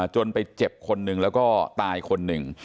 จนไปเจ็บคนหนึ่งแล้วก็ตายคนหนึ่ง